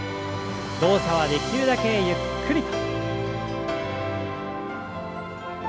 動作はできるだけゆっくり。